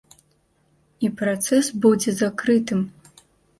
І працэс будзе закрытым.